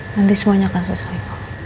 nanti semuanya akan selesai